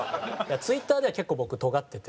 ツイッターでは結構僕とがってて。